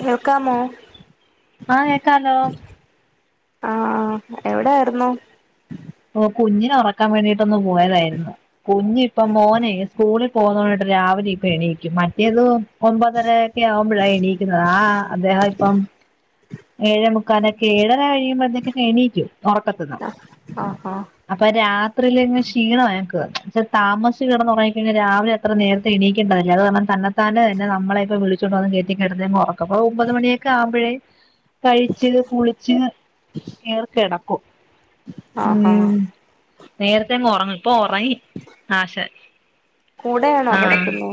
കേൾക്കാമോ ആ കേക്കാലോ ആ ആ എവിടെയായിരുന്നു ഓ കുഞ്ഞിന ഉറക്കാൻ വേണ്ടിട്ട് പ പോയതായിരുന്നു കുഞ്ഞ ഇപ്പ മോനെ സ്കൂള് വിട്ട പോകുന്നോണ്ട് രാവിലെ ഇപ്പ എണീക്കും മറ്റേതോ ഒൻപതരൊക്കെ ആവുമ്പോഴാണ് എണീക്കുന്നത്ത ആ അദ്ദേഹം അപ്പം ഏഴ മുക്കാലോക്കെ ഏഴര കഴിയുമ്പോ എതൊക്കെ എണീക്കും ഉറക്കത്തന്നാ ആഹാ അപ്പൊ രാത്രിൽ ഇങ്ങനെ ക്ഷീണമായി പക്ഷെ താമിച്ച കിടന്നുറങ്ങി കഴിഞ്ഞാൽ രാവിലെ അത്ര നേരത്തെ എണീക്കണ്ടല്ലേ അത് കാരണം തന്ന താനേ തന്നെ നമ്മളെപ്പോ വിളിച്ചൊണ്ട വന്ന് കേയറ്റി കിടത്തി ഉറക്കുക അപ്പൊ ഒമ്പത് മണിയൊക്കെ ആവുമ്പോഴേ കഴിച്ച് കുളിച്ച് കേറികെട [unintelligible] മ് ആഹാ ന്നേരത്തെ അങ്ങ് ഒറങ്ങും ഇപ്പൊ ഒറങ്ങി ആശാൻ കൂടെയാണോ കെടക്കുന്നു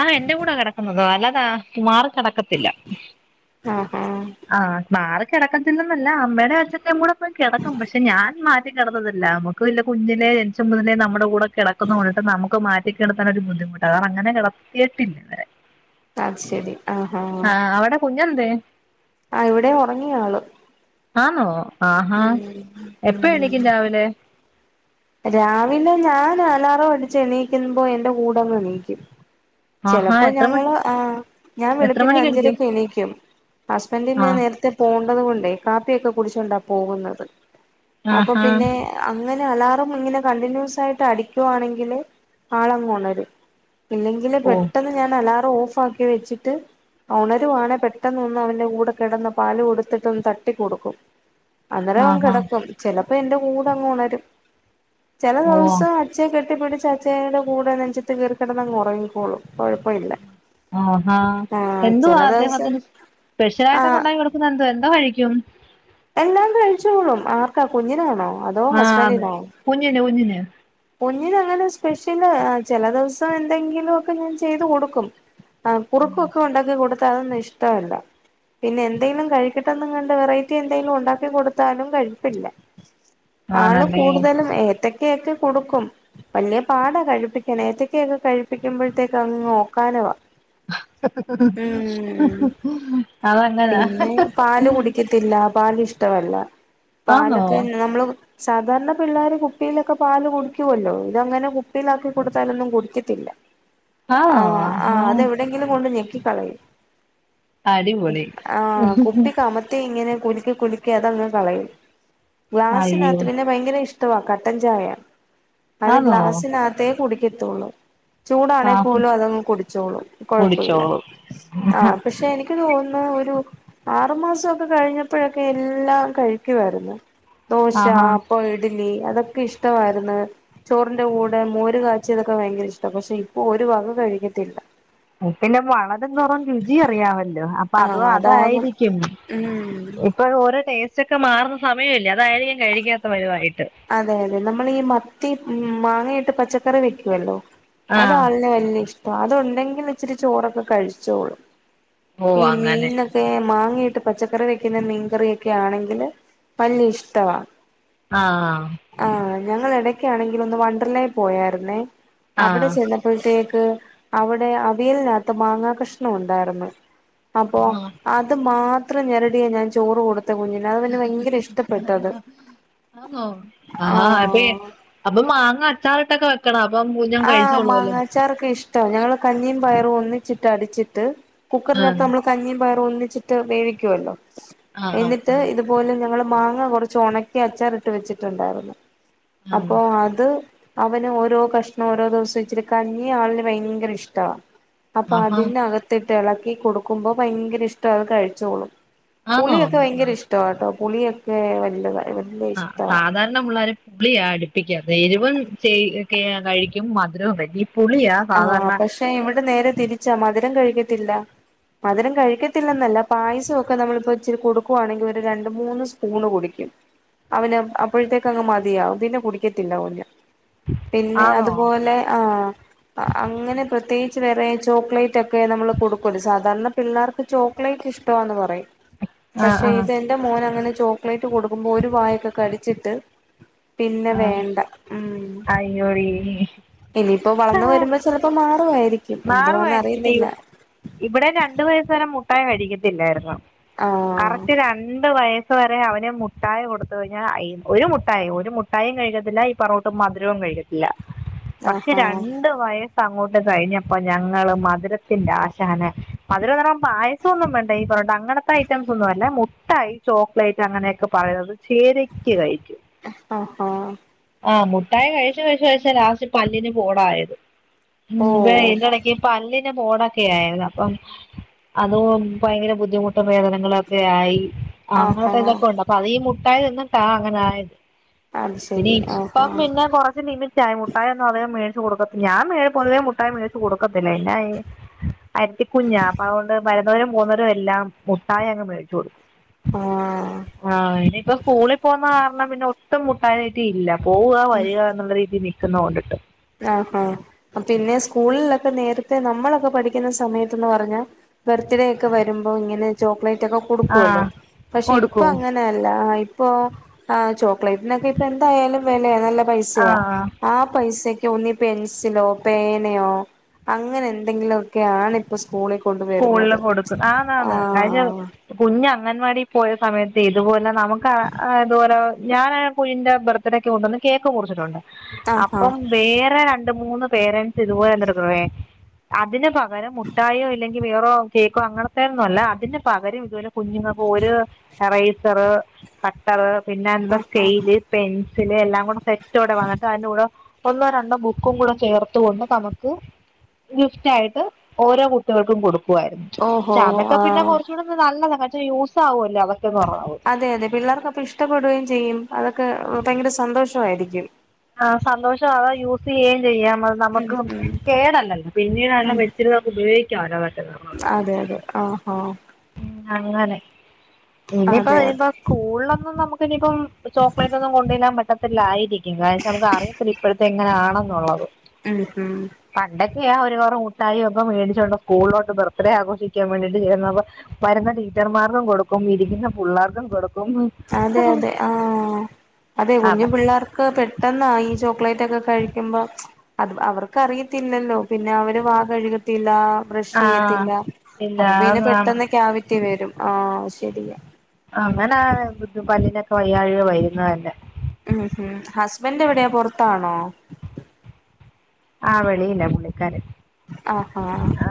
ആ എന്റെ കൂടാ കെടക്കുന്നത് അല്ലാത് ആ മാറ് കെടക്കത്തില്ല ആഹാ ആ മാറി കിടക്കത്തില്ലന്നല്ല അമ്മേടെ അചച്ഛൻ്റേം കൂടെ പോയി കെടക്കും പക്ഷെ ഞാൻ മാറ്റികെടന്നതില്ല നമുക്ക് വല്ല കുഞ്ഞിലെ ജനിച്ച മുതലേ ന്നമ്മുടെ കൂടെ കെടക്കുന്നൊണ്ട് നമുക്ക് മാറ്റിക്കിടത്താൻ ഒരു ബുദ്ധിമുട്ടാ അത അങ്ങനെ കെട് കേട്ടില്ല ന്നരെ അത് ശെരി ആ ഹാ ഞ്ഞെന്തേ ആ ഇവടെ ഒറങ്ങി ആള് ആന്നോ ആഹാ ഉം എപ്പ ഉം എണീക്കും രാവിലെ രാവിലെ ഞാന് അലാറൊം അടിച്ച് എനീക്കുമ്പോ എന്റെ കൂടെന്ന് എണീക്കും ആഹാ ചെലപ്പോ എത്ര മണി ഞങ്ങള് ആ ഞാൻ എത്ര വെളുപ്പിന് മണിക്ക് അഞ്ചരക്ക് എണീക്കും ഹസ്ബൻ്റിന് ആഹ് നേരത്തെ പോൺ ഉള്ളത് കൊണ്ടെ കാപ്പിയൊക്കെ കുടിച്ചോണ്ടാ പോകുന്നത് അപ്പൊ ആഹാ പിന്നെ അങ്ങനെ ആർ റം ഇങ്ങനെ കണ്ടിന്യൂസ് ആയിട്ട് അടിക്കുവാണെങ്കില് ആള് അങ്ങ് ഒണരും ഇല്ലെങ്കില് ഓ പെട്ടൊന്ന് ഞാന് അലാറം ഓഫ് ഫാക്കി വെച്ചിട്ട് ഉണരുവാണെ പെട്ടെന്നൊന്ന് അവൻ്റെ കൂടെ കിടന്ന് പാല് കൊടുത്തിട്ടൊന്ന് തട്ടിക്കൊടുക്കും അന്നേരം ഓൻ ആഹാ കെടക്കും ചെലപ് പ്പെ എന്റെ കൂടെ അങ്ങ് ഒണരും ചെല ഓ ദിവസം അച്ഛെ കെട്ടി പിടിച് അചേടെ കൂടെ നെഞ്ചത്ത് കേറി കെട്ന്നങ് ഒറങ്ങിക്കോളും കൊഴപ്പ ഇല്ല ആഹാ ആഹ് എന്തുവാ ചെല ദിവസം അദ്ദേഹത്തിന് സ്പെഷ്യലായിട്ടൊകെ ആഹ് ഒണ്ടാക്കി കൊടുക്കുന്നെ എന്തുവാ എന്തോ കഴിക്യും എല്ലാം കഴിച്ചോളും ആർക്കാ കുഞ്ഞിനാണോ അതോ ആ അത് ഹസ്ബൻഡിനോ കുഞ്ഞിന് കുഞ്ഞിന് ഞിന് അങ്ങനെ സ്പെഷ്യല് ചെല ദിവസം എന്തെങ്കിലും ഒക്കെ ഞാൻ ചെയ്ത് കൊടുക്കും ആ കുറുക്കൊക്കെ ഒണ്ടാക്കി കൊട് ക്ക അ ഒന്നും ഇഷ്ടവല്ല പിന്നെ എന്തേലും കഴിക്കട്ടന്ന്ങ്ങാണ്ട് വെറയ് റ്റി എന്തേലും ഉണ്ടാക്കി കൊടുത്താലും കഴിപ്പില്ല ആള് ആണല്ലേ കൂടുതലും ഏത്തെ ക്കെ ക്കെ കൊടുക്കും വലിയ പാടാ കഴിപ്പിക്കൻ ഏത്തക്കക്കെ കഴിപ്പിക്കുമ്പോഴത്തേക്ക് അങ്ങ് ഓക്കാനവാ ഉം അതങ്ങനാ ല്ല പാല് ഇഷ്ടവല്ല ആന്നോ പാലൊക്കെ [unintelligible] നമ്മളു സാധാരണ പിള്ളാര് കുപ്പിയിലൊക്കെ പാല് കുടിക്കുവല്ലോ ഇതങ്ങനെ കുപ്പിയിലാക്കി കൊടുത്താലൊന്നും കുടിക്കത്തില്ല. ആണോ ആഹ് ആ ആഹാ അതെവിടെയങ്കിലും കൊണ്ട് ഞെക്കി ക്കി കളയും. അടിപൊളി ങ്ങനെ കുലുക്കി കുലുക്കി അതങ്ങ് കളയും. അയ്യോ ഗ്ലാസിനകത്ത് പിന്നെ ഭയങ്കര ഇഷ് എന്തുവാ കട്ടൻ ചായ അത് ആന്നോ ഗ്ലാസ്സിനകത്തേ കുടി എത്തൂള്ളു ചൂടാണെ ആഹ് പോലും അതങ്ങ് കുടിച്ചോളും കുഴപ്പമില്ല കുടിച്ചോളും അഹ് പക്ഷെ എനിക്ക് തോന്നു എന്നാ ഒരു ആറു മാസ കഴിഞ്ഞപ്പോഴൊക്കെ എല്ലാം കഴിക്കുവാര്ന്ന് ദോശ ആഹാ അപ്പൊ ഇഡ്ലി അതക്ക് ക്കെ ഇഷ്ടമായിരുന്നു ചോറിന്റെ കൂടെ മോര് കാച്ചിയതൊക്കെ ഭയങ്കര ഇഷ്ടാ പക്ഷെ ഇപ്പൊ ഒരു വക കഴിക്കത്തില്ല എ പിന്നെ വളരും തോറും രുചി അറിയമല്ലോ അപ്പൊ അത് ആഹ് അതാകും അതായിരിക്കും ഉം ഇപ്പൊ [unintelligible] ടേസ്റ്റ് ഒക്കെ മാറുന്ന സമയല്ലേ അത് അതായിരിക്കം കഴിക്കാത്ത [unintelligible] വായിട്ട് അതെ അതെ നമ്മൾ ഈ മത്തി ഉ മാങ്ങയിട്ട് പച്ചക്കറി വെക്കുവല്ലോ അത് ആഹ് ആളിന് വല്യ ഇഷ് അഹ് അത്ണ്ടെങ്കിൽ ഇച്ചിരി ചോറൊക്കെ കഴിച്ചോളും. ഓ ഈ അങ്ങനെ മീനൊക്കെ മാങ്ങ ഇട് ട്ട് പച്ചക്കറി വെക്കുന്ന മീൻകറിയൊക്കെ ആണെങ്കില് വല്യ ഇഷ്ടവാ. ആഹ് ആഹ് ഞങ്ങൾ എടയ്ക്ക് ആണെങ്കിൽ ഒന്ന് വണ്ടറലേ പോയായിര്ന്നേ അവിടെ ചെന്നഴ്പ്പഴത്തേക്. ക്ക് അവിടെ അവിയലിനകത്ത് മാങ്ങാ കഷ്ണം ഉണ്ടായിരുന്നു. അപ്പൊ ആഹ് അത് മാത് ഇത്ര ഞരടിയ ഞാൻ ചോറ് കൊട് ത്തു കുഞ്ഞിനാ അതുല്ല ഭയങ്കര ഇഷ്ടപ്പെട്ടത് ആ അതേ ആഹ് അപ്പൊ മാങ്ങ അച്ചാർ അച്ചാറിട്ടയൊക്കെ വെക്കണം അപ്പം കുഞ്ഞൻ ആ കഴിച്ചോളൂല്ലേ മാങ്ങാച്ചാറോക്കെ ഇഷ്ട്ടവാ ഞങ്ങള് കഞ്ഞിയും- പയറും ഒന്നിച്ചിട്ട് അടിച്ചിട്ട്- കുക്കറിനകത്ത് ആഹ് നമ്മള് കഞ്ഞിയും പയറും ഒന്നിച്ചിട്ട് വേവിക്കുവല്ലോ ആഹ് എന്നിട്ട് ആഹ് ഇതുപോല്ലേ ഞങ്ങള്- മാങ്ങ കൊറച്ച് ഒണക്കി അച്ചാറിട്ട് വെച്ചിട്ടുണ്ടായിരുന്നു ആഹ് ആഹ് അപ്പൊ അത് അവന് ഓരോ കഷ് ഓരോ ദിവസം ഇച്ചിരിക്കഞ്ഞി ആളിന്ന് ഭയങ്കര ഇഷ്ട്ടവ അപ്പൊ ആഹാ അതിനകത്തിട്ട് ഇളക്കി ഈ കൊടുക്കുമ്പോ ഭയങ്കര ഇഷ്ട അത് കഴിച്ചോളും ആന്നോ പുളിയൊക്കെ ഭയങ്കര ഇഷ്ടവാട്ടോ പുളിയൊക്കെ വല്ലത ആ സാധാർണ പിള്ളാര് പുളിയാടുപ്പിക്കാതെ എരിവും കഴിക്കും മധുരവും കഴിക്കും പുളിയാ ആ സാധാരണ പക്ഷെ ഇവിടെ നേരെ തിരിച്ച മധുര മധുരം കഴിക്കത്തില്ല മധുരം കഴിക്കത്തില്ലന്നല്ല പായസമൊക്കെ നമ്മളിപ്പോ ഇച്ചിരി കൊടുക്കുവാണെങ്കിഒരു രണ്ട് മൂന്ന് സ്പൂണ് കുടിക്കും അവന് അപ്പോയത്തേക്ക് അങ്ങ് മതിയാവും പിന്നെ കുടിക്കത്തില്ല കു ഞ്ഞ് പിന്നെ ആണോ അതുപോലെ ആ അങ്ങനെ പ്രത്യേ കിച്ച് വേറെ ചോക്ലേറ്റ് ഒക്കെ നമ്മള് കൊടുക്കോല്ലോ സാധാരണ പിള്ളേർക്ക് ചോക്ലേറ്റ് ഇഷ്ടവാന്ന് പറയും ആഹ് പക്ഷെ ആഹ് ഇത് എന്റെ മോന് അങ്ങനെ ചോക്ലേറ്റ് കൊടുക്കുമ്പോ ഒരു വായൊക്കെ കടിച്ചിട്ട് പിന്നെ ആഹ് വേണ്ട ഉം അയ്യോടി ഇനിപ്പോ വളന്ന് വര ചെലപ്പം മാറു [unintelligible] മാറുവായിരിക്കും ഇവിടെ രണ്ട് വയസ്സുവരെ മു മുട്ടായി കഴിക്കാതില്ലായിരുന്നു ആഹ് കറക്റ്റ് രണ്ട് വയസ് വയസുവരെ അവന് മുട്ടായി കൊടുത് കഴിഞ്ഞാൽ ഒരു മുട്ടായി ഒരു മുട്ടായും കഴിക്കത്തില്ല ഇപ്പ ർന്നൂട്ടം മധുരവും കഴിക്കത്തില്ല പക്ഷെ ആഹാ രണ്ട് വയ അങ്ങോട്ട് കഴിഞ്ഞ അപ്പൊ ഞങ്ങള് മധുരത്തിന്റെ ആശന് മധുരം [unintelligible] പായസന്നും വേണ്ട ഈ പറഞ്ഞ അങ്ങനത്തെ ഐറ്റംസ് ഒന്നുമല്ല മു മുട്ടായി ചോക്ലേറ്റ് അങ്ങനെയൊക്കെ പറയുന്നത് ശരിക്ക് കഴിക്കും ആ ആ ആ മുഠായി കഴിച്ചു കഴിച്ചു കഴിച്ച ലാസ്റ്റ് പല്ലിന് പോടായത് ഉം ഓ പല്ലിന്റെ പോടൊക്കെ ആയിരുന്നു. അപ്പം അതും ഭയങ്കര ബുദ്ധിമുട്ടും വേദനങ്ങളൊക്കെ ആയി ആഹാ അങ്ങോട്ടേക്ക്തൊക്കെ ഉണ്ട് അപ്പൊ അവ ഈ മു ട്ടായി തിന്നിട്ടാ അങ്ങനെ ആയത് അത് ഇനി ശരി ആഹാ ഇപ്പം പിന്നെ കൊറച്ച് ലിമിറ്റയി മുട്ടായി ഒന്നും അധികം കൊടുക്ക ഞാൻ മേ പൊതുവേ മുട്ടായി മേ കൊടുക്കത്തില്ല എന്നാ ത്തികുഞ്ഞ അപ്പ അതോണ്ട് വരുന്നവരും പോകുന്നവരും എല്ലാം മുട്ടായി അങ്ങ് മേടിച്ചു കൊടുക്കും ആഹ് ആ ഇനിപ്പൊ സ്കൂളി പോന്ന കാര്ണം പിന്നെ ഒ ട്ടും മുട്ടായി തീറ്റി ഇല്ല പോവ വരിക എന്നുള്ള രീതിലെ [unintelligible] ആ ഹാ പിന്നെ സ്കൂൾലൊക്കെ നേരത്തെ നമ്മളൊക്കെ പഠിക്കുന്ന സമയത്ത്ന്ന് പറഞ്ഞാ ബർത്ത്ഡേ ഒക്കെ വരുമ്പോ ഇങ്ങനെ ചോക്ലേ റ്റൊക്കെ ആ കൊടുക്കുവല്ലോ പഷെ ഇപ്പൊ കൊടുക്കും അങ്ങനെ എല്ല ഇ ഇപ്പോ ആ ചോ ക്ലേറ്റ്നൊക്കെ ഇപ്പ എന്തായാലും വെലയ നല്ല ആ പൈസയാ ആ പൈസ ക് ഒന്നി പെൻസിലോ പേനെയോ അങ്ങനെ എന്തെങ്കിലൊക്കെ ആണ് ഇപ്പോ സ് സ്കൂളില് കൊടുക്കും ആന്ന് ആന്ന് കഴിഞ്ഞ ആഹ് കുഞ്ഞ അംഗൻവാടി പോയ സമയത്തെ ഇതുപോ നമുക്ക് അത് പോലെ ഞാന കുഞ്ഞിൻ്റെ ബർത്ത്ഡേക്ക് കൊണ്ടുവന്ന് കേക്ക് മുറിച്ചിട്ടുണ്ട് ആഹ് അപ്പം വേറെ ര ണ്ട് മൂന്ന് പേരെൻ്റ്സ് ഇതുപോലെ [unintelligible] അതിന് പകരം മുട്ടായോ ഇല്ലെ കി വേറോ കേക്കോ അങ്ങനത്തെ ഒന്നുവല്ല അതിന്ന് പകരം ഇതുപോലെ കുഞ്ഞുങ്ങൾക്ക് ഒരു എറൈസറ് കട്ടറ് പിന്ന എന്താ ആഹ് സ്കെയില് പെൻ സില് എല്ലാം കൂടെ സെറ്റോടെ വാങ്ങ അന്നിട്ട് അയ്ന്റെ കൂടെ ഒന്നോ രണ്ടോ ബുക്കും കൂടെ ചേർത്ത് കൊണ്ട് നമുക്ക് ഗിഫ്റ്റ് ആയിട്ട് ഓരോ കുട്ട്യോൾ ക്കും കൊടു കുവായിരുന്നു ഷ ഓഹോ അതൊക്കെ പിന്നെ ആഹ് കുറച്ചൂടെ നല്ലത ക യൂസ് ആവോല്ലോ അവ അതെ അതെ പിള്ളേർക്കപ്പ ഇഷ്ടപ്പെടുവെം ചെയ്യും അതൊക് ക ഭയ്ങ്കര സന്തോഷവായിരിക്കും ആ സന്തോഷം അതാ യൂസെയ്യേം ചെയ്യാം അത് ഉം നമ്മക്കും ഉം കേടല്ലല്ലോ ഉം പിന്നീടാണേലും വെച്ചിരുന്ന നമക്ക് ഉപയേ [unintelligible] അതെ അതെ ആഹ ഉ അങ്ങനെ ഇനിയിപ്പ അതെ പഴയുമ്പ അതെ സ്കൂളിലൊന്നും നമ്മ നമ്മക്കിനി കും ചോക്ലേറ്റ് ഒന്നും കൊണ്ട് ചെല്ലാൻ പറ്റ ല്ല ആയിരിക് എന്നുവെച്ചാ നമുക്ക് അറിയത്തില്ല ഇപ്പൊഴത്തെ എങ്ങനാണ് എന്നൊള്ളത് ഉം ഉം ആ ഒരു കവറ് മുട്ടായി ഒക്കെ മേടിച്ചുകോണ്ട് സ്കൂളിലോട്ട് ബർത്ത്ഡേ ആഘോഷിക്കാൻ വേണ്ടിട്ട് ചെന്നപ്പ വരുന്ന ടീച്ചർമാർക്കും കൊടുക്കും ഇരിക്കുന്ന പുള്ളാർക്കും കൊടുക്കും അതെ അതെ ആഹ അതെ കുഞ്ഞു അതൊക്കെ പിള്ളേർക്ക് പെട്ടെന്നാ ഈ ചോക്ലേറ്റ് ഒക്കെ കഴിക്കുമ്പോ അത് അവർക്കറിയത്തില്ലല്ലോ പിന്നെ അവര് വാ കഴുകത്തില്ല ബ്രഷ് ആഹ് ചെയ്യത്തില്ല ഇല്ല അപ്പൊ പിന്നെ അതാണ് പെട്ടെന്ന് ക്യാവിറ്റി വരും ആഹ ശരിയാ അങ്ങന ബുദ്ധുപാലിനെക് വയ്യാഴ്യ വരുന്ന തന്നെ ഉം ഹും ഹസ്ബൻഡ് എവിടെയാ പൊറത്താണോ ആഹ വെളിയില പുള്ളിക്കാരൻ ആഹാ ആ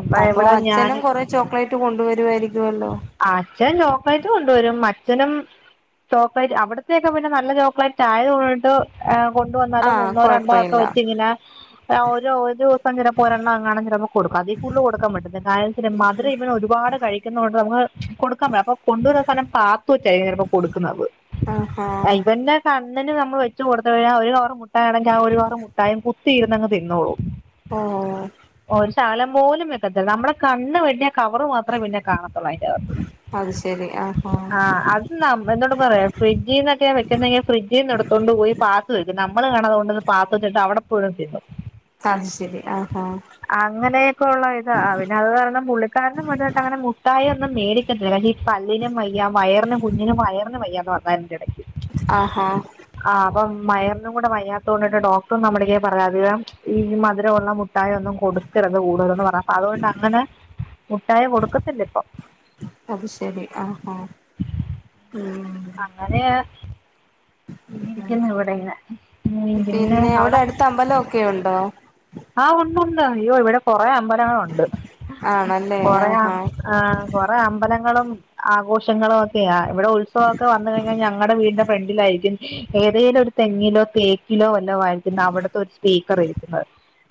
അപ്പൊ ഇവിടെ അച്ഛനും ഞാനും കൊറെ ചോക്ലേറ്റ് കൊണ്ടുവരുവായിരിക്കുവല്ലോ അച്ഛൻ ചോക്ലേറ്റ് കൊണ്ടുവരും മറ്റ് അച്ഛനും ചോക്ലേറ്റ് അവിടത്തൊക്കെ പിന്നെ നല്ല ചോക്ലേറ്റ് ആയത്കൊണ്ട് എ കൊണ്ടു വന്നാലും ആഹ് ഒന്നോ കൊഴപ്പ രണ്ടോ ഒക്കെ ഇല്ല വച് ചിങ്ങന ഒര് ഒരു ദിവസം ചിലപ്പോ ഒരെണ്ണംങ്ങാണം ചിലപ്പോ കൊടുക്കും അതി കൂടുതല് കൊടുക്കാൻ പറ്റത്തില്ല കാര മധുരം ഇവന് ഒരുപാട് കഴിക്കുന്ന കൊണ്ട് നമുക്ക് കൊടുക്കാൻ പറ്റും അപ്പൊ കൊണ്ടുവരുന്ന സാനം പാത്തു വെച്ചായിരിക്കും ചിലപ്പോ കൊടുക്കുന്നത് ആഹാ ഇവന്നെ ക ഇന്നനു നമ്മൾ വെച്ച് കൊടുത്തുകഴിഞ്ഞാൽ ഒരുകവർ മുട്ടായാണെങ്കിൽ ആ ഒരു കവർ മു ട്ടായിം കുത്തിയിരുന്നങ്ങ് തിന്നോളും. ആഹ് കാലം പോലും വെക്കത്തില്ല നമ്മുടെ കണ്ണ് വെട്ടിയാ കവറ് മാത്രേ പിന്നെ കാണത്തുള്ളൂ അയ്ന്റെ അകത്ത് അത് ശരി ആഹാ ആ അത് ഞമ്മഎന്ത പറയാ ഫ്രിഡ്ജിൽ നിന്നൊക്കെ വെക്കെങ്കിൽ ഫ്രിഡ്ജീന്ന് എടുത്തോണ്ട് പോയി പാത്ത് വെക്കും നമ്മള് കാണ അതോണ്ട് അവിടെ പോഴിതിന്നും അത് ശരി ആഹാ അങ്ങനെയൊക്കെ ഉള്ള ഇതാ പിന്നത് കാരണം പുള്ളിക്കാരനും വലുതായിട്ടങ്ങനെ അങ്ങനെ മുട്ടായൊ ന്ന മേടി [unintelligible] പല്ലിനും വയ്യ വയറിനും കുഞ്ഞിനും മയ ഒന്നിനുംവയ്യാ പർഞ്ഞാ ഇതിന്റെടയ്ക്ക് ആ ഹാ വയറിനും കൂടെ വയ്യാത്തോണ്ട് ഒരു ഡോക് മുട്ടും നമ്മുടെ പറയാതില്ലേ ഈ മധുരമുള്ള മു മുട്ടായൊന്നും കൊടുത്തിരുത് കൂടുതലന്ന് പറ അതുകൊണ്ട് അങ്ങനെ മുട്ടായികൊടുക്കത്തില്ല ഇപ്പൊ അത് ശരി ആഹാ ഉം അതെയ ഉം ഉം പിന്നെ അവിടെ അടുത്ത അമ്പലൊക്കെ ഒണ്ടോ? ആ ഉണ്ടുണ്ട് അയ്യോ ഇവിടെ കൊറേ അമ്പലങ്ങളൊണ്ട് ആണല്ലേ ആഹാ കൊറേആ അമ്പലങ്ങളും ആഘോഷങ്ങളൊക്കെയാ ഇവടെ ഉത്സവൊക്കെ വന്ന് കഴിഞ്ഞാ ഞങ്ങടെ വീടി- ഫ്രണ്ടിലാരിക്കും. ഏതേലും ഒരു തെങ്ങിലോ തേക്കിലോ ലോ ആയിരിക്കും അവിടത്തെ ഒരു സ്പീക്കർ ഇരിക്കുന്നത്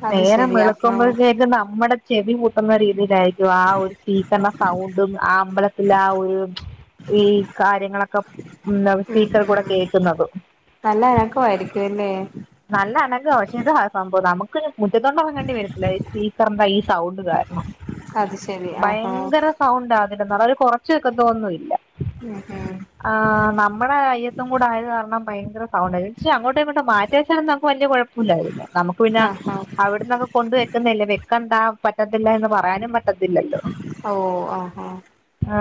അത് നേരം ശരി ആഹാ വെളുക്കുമ്പോഴതേക് ന മ്മടെ ചെവി പൊട്ടുന്ന രീതിയില ക്കും ആ ഒരു സ്പീക്കറിന്റെസൗണ്ടും ആ അമ്പലത്തിൽ ആ ഒരു ഈ കാര്യങ്ങളൊക്കെ ഉം സ്പീക്കർ കൂടെ ഉം കേക്കുന്നത്. നല്ല അനക്കമായിരിക്കും അല്ലേ നല്ല അനങ്ങ പക്ഷേ സംഭവം നമുക്ക് ക് മുറ്റത്തണ്ട് ഇറങ്ങേണ്ടി വരത്തില്ല ഈ സ്പീക്കറിന്റെ ഈ സൗണ്ട് കാരണം അത് ശരി ആഹാ ഭയങ്കര സൗണ്ടാ എന്ന ഒന്നു കുറച്ചു വെക്കതൊന്നുല്ല ഉം ഉം ആ നമ്മടെ അയ്യത്തും കൂടെ ആയത് കാരണം ഭയങ്കര സൗണ്ടാ, ഇച്ചിരി അങ്ങോട്ടോ ഇങ്ങോട്ടോ മാറ്റി വെച്ചാലെന്താ വലിയ കൊഴപ്പോല്ലായിരുന്നു നമുക്ക് പിന്നെ ആഹാ ഇവിടന്നങ്ങ് കൊണ്ടു വെക്കുന്നല്ലേ വെക്കാ ന്താ പറ്റത്തില്ല എന്ന് പറയാനും പ റ്റത്തില്ലല്ലോ ഓ ആഹാ ആ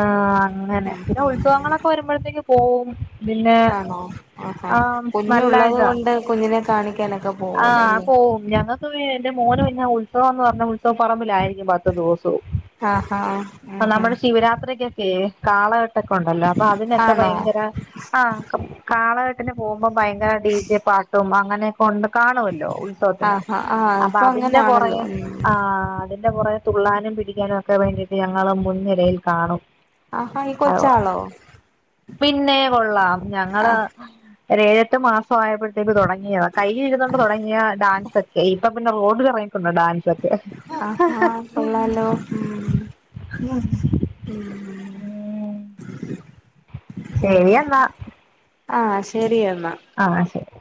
അങ്ങനെ പിന്നെ ഉത്സവങ്ങളൊക്കെ വരുമ്പഴത്തേക്കും പോവും പിന്നെ ആണോ ആഹാ ആഹ് നല്ല കുഞ്ഞുള്ളത് ഇതാ കൊണ്ട് കുഞ്ഞിനെ കാണിക്കാനൊക്കെ പോവൂലോ, അല്ലേ? ഉവേ എന്റെ മോന് പിന്നെ ഉത്സവാന്ന് പറഞ്ഞാ ഉത്സവ പറമ്പിലായിരിക്കും പത്തു ദിവ സോം ആഹാ ഉം ഉം നമ്മുടെ ശിവരാത്രിക്ക് ഏ കാള ക്കെ ഉണ്ടല്ലോ അപ്പൊ അതിനൊക്കെ ആണോ ഭയങ്കര ആ കാളകെ അങ്ങനെ പോ അപ്പം ഭയങ്കര ഡീജേ പാട്ടും മാ ങ്ങനെ കൊണ്ട് കാണുവല്ലോ ഉത്സവത്തിന് ആഹാ ആഹ് അപ്പ ഇപ്പൊ അതിന്റെ അങ്ങനാണല്ലോ പുറകെ ഉം ആ അതിന്റെ പുറകെ തുള്ളാനും പിടിക്കാനും ഒക്കെ വേണ്ടിട്ട് ഞങ്ങള് മുൻനിരയിൽ കാണും. ആഹാ ഈ കൊച്ചാളോ പിന്നെ കൊള്ളാം ഞങ്ങള് ആഹ് ഒര് ഏഴെട്ട് മാസം ആയപ്പോഴത്തേക്ക് തുടങ്ങ് നിയ കയ്യിൽ ഇരുന്നോണ്ട് തുടങ്ങിയ ഡാൻ ഇപ്പ പിന്നെ റോഡിലിറങ്ങി കൊണ്ടാ ഡാൻസ് ഒക്കെ ആഹാ കൊള്ളാലോ ഉം ഉം ശരി കൊന്നൊടുക്കു ആ ശെരിയ ആ ശരി